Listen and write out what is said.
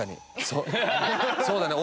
そうだね。